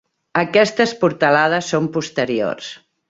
Aquestes portalades són posteriors.